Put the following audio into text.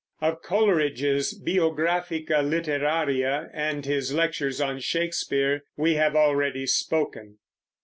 Of Coleridge's Biographica Literaria and his Lectures on Shakespeare we have already spoken.